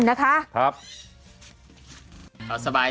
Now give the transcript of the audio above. จัดกระบวนพร้อมกัน